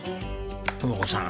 知子さん